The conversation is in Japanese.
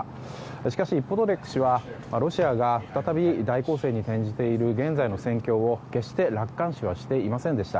しかし、ポドリャク氏はロシアが再び大攻勢に転じている現在の戦況を決して楽観視はしていませんでした。